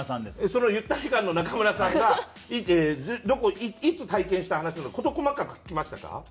そのゆったり感の中村さんがいつ体験した話なのか事細かく聞きましたか？